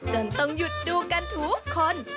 จนต้องหยุดดูกันทุกคน